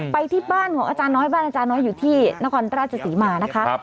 ไปที่บ้านของอาจารย์น้อยบ้านอาจารย์น้อยอยู่ที่นครราชศรีมานะคะ